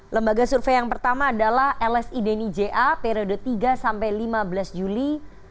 lembaga survei yang pertama adalah lsi deni ja periode tiga sampai lima belas juli dua ribu dua puluh